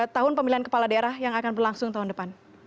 tahun pemilihan kepala daerah yang akan berlangsung tahun depan